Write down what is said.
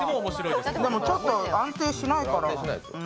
でもちょっと安定しないから。